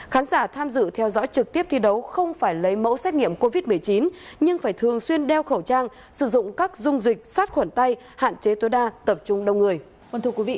khán giả tham dự theo dõi trực tiếp thi đấu không phải lấy mẫu xét nghiệm covid một mươi chín nhưng phải thường xuyên đeo khẩu trang sử dụng các dung dịch sát khuẩn tay hạn chế tối đa tập trung đông người